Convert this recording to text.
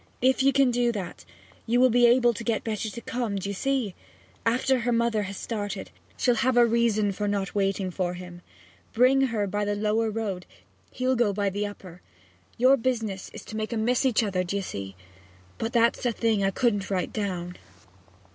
If you can do that you will be able to get Betty to come d'ye see? after her mother has started; she'll have a reason for not waiting for him. Bring her by the lower road he'll go by the upper. Your business is to make 'em miss each other d'ye see? but that's a thing I couldn't write down.'